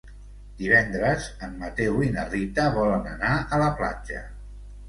Divendres en Mateu i na Rita volen anar a la platja.